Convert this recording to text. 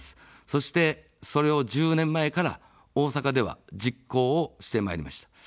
そして、それを１０年前から大阪では実行をしてまいりました。